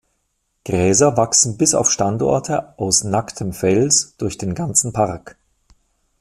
Gräser wachsen bis auf Standorte aus nacktem Fels durch den ganzen Park.